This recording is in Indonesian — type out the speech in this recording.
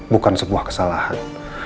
bukan sebuah kesalahan